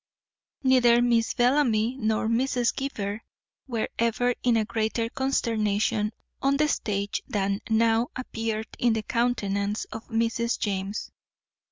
Neither Miss Bellamy nor Mrs. Gibber were ever in a greater consternation on the stage than now appeared in the countenance of Mrs. James.